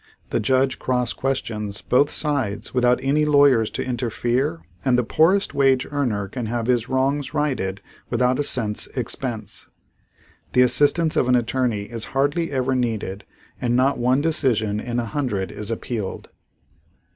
The judge cross questions both sides without any lawyers to interfere and the poorest wage earner can have his wrongs righted without a cent's expense. The assistance of an attorney is hardly ever needed and not one decision in a hundred is appealed.